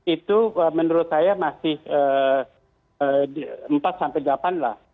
itu menurut saya masih empat sampai delapan lah